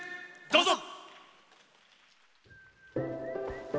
どうぞ！